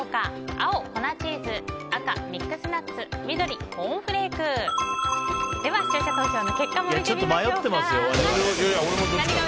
青、粉チーズ赤、ミックスナッツ緑、コーンフレーク。では視聴者投票の結果を見てみましょうか。